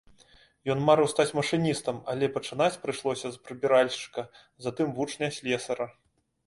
Ён марыў стаць машыністам, але пачынаць прыйшлося з прыбіральшчыка, затым вучня слесара.